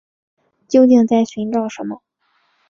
究竟在寻找什么